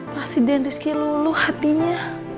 pasti den rizky lulu hatinya